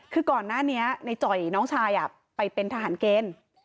คือก่อนหน้านี้ในจ่อยน้องชายไปเป็นทหารเกณฑ์